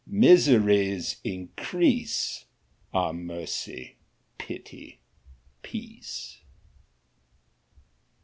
Misery's increaseAre mercy, pity, peace."